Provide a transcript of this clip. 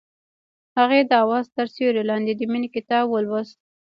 هغې د اواز تر سیوري لاندې د مینې کتاب ولوست.